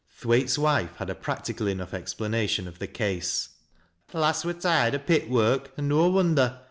Thwaite'* wife had a practical enough explanation of the case. "Th' lass wur tired o' pit work ; an' no wonder.